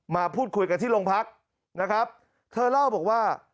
มาพูดคุยกันที่โรงพักนะครับเธอเล่าบอกว่า